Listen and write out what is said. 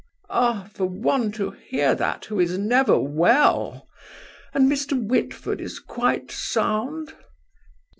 "Ah! for one to hear that who is never well! And Mr. Whitford is quite sound?"